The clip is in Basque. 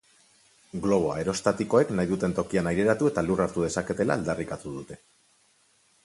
Globo aerostatikoek nahi duten tokian aireratu eta lur hartu dezaketela aldarrikatu dute.